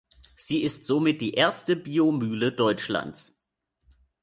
Sie ist somit die erste Bio-Mühle Deutschlands.